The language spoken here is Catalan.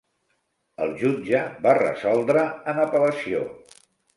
El jutge va resoldre en apel·lació.